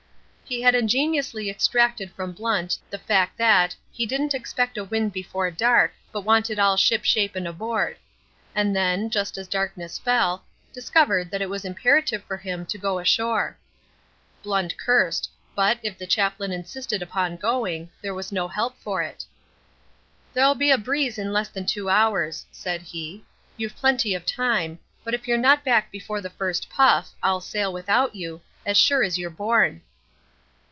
He had ingeniously extracted from Blunt the fact that "he didn't expect a wind before dark, but wanted all ship shape and aboard", and then, just as darkness fell, discovered that it was imperative for him to go ashore. Blunt cursed, but, if the chaplain insisted upon going, there was no help for it. "There'll be a breeze in less than two hours," said he. "You've plenty of time, but if you're not back before the first puff, I'll sail without you, as sure as you're born."